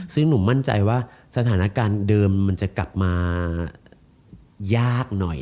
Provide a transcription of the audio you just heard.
ซึ่งหนุ่มมั่นใจว่าสถานการณ์เดิมมันจะกลับมายากหน่อย